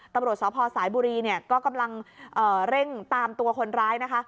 ตำรวจสพสายบุรีเนี่ยก็กำลังเร่งตามตัวคนร้ายนะคะ